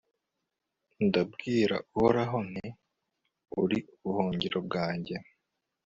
ndabwira uhoraho nti uri ubuhungiro bwanjye